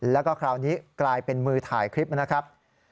แล้วก็คราวนี้กลายเป็นมือถ่ายคลิปนะครับ